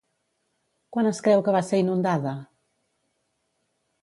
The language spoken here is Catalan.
Quan es creu que va ser inundada?